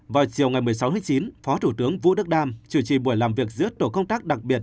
vào chiều ngày một mươi sáu tháng chín phó thủ tướng vũ đức đam chủ trì buổi làm việc giữa tổ công tác đặc biệt